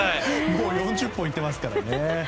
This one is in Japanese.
もう４０本いっていますからね。